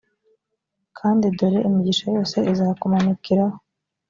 kandi dore imigisha yose izakumanukiraho,